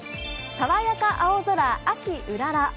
「さわやか青空秋うらら」